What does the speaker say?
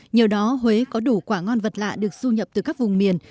nhờ đó huế có đủ quả ngon vật lạ được du nhập từ các vùng miền